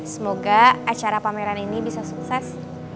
semoga acara pameran ini bisa sukses